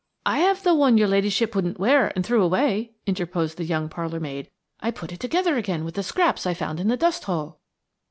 "I have the one your ladyship wouldn't wear, and threw away," interposed the young parlour maid. "I put it together again with the scraps I found in the dusthole."